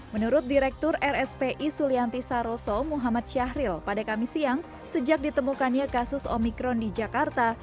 menurut direktur rspi sulianti saroso muhammad syahril pada kamis siang sejak ditemukannya kasus omikron di jakarta